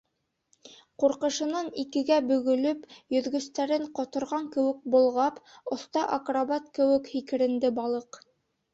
Ҡурҡышынан икегә бөгөлөп, йөҙгөстәрен ҡоторған кеүек болғап, оҫта акробат кеүек һикеренде балыҡ.